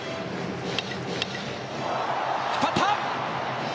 引っ張った！